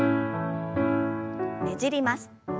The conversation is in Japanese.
ねじります。